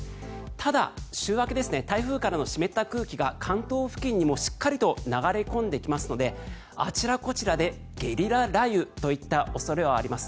ただ、週明け台風からの湿った空気が関東付近にもしっかりと流れ込んできますのであちらこちらでゲリラ雷雨といった恐れはあります。